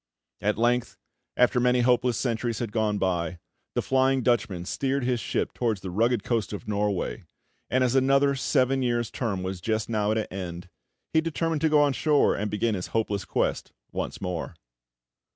At length, after many hopeless centuries had gone by, the Flying Dutchman steered his ship towards the rugged coast of Norway; and as another seven years' term was just now at an end, he determined to go on shore and begin his hopeless quest once more.